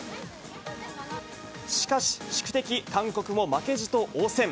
しかし、宿敵、韓国も負けじと応戦。